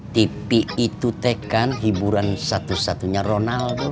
tipe itu tekan hiburan satu satunya ronaldo